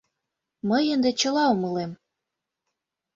Мый ынде чыла умылем.